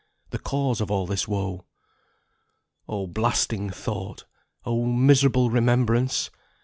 The cause of all this woe. Oh blasting thought! Oh miserable remembrance!